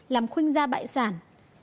làm khuyên gia bại sản